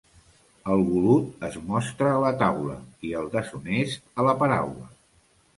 El golut es mostra a la taula, i el deshonest a la paraula.